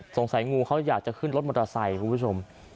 สงสัยงูเขาอยากจะขึ้นรถมอเตอร์ไซค์คุณผู้ชม